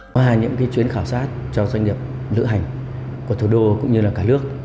qua những chuyến khảo sát cho doanh nghiệp lữ hành của thủ đô cũng như là cả nước